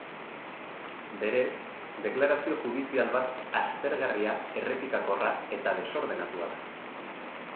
Berez, deklarazio judizial bat aspergarria, errepikakorra eta desordenatua da.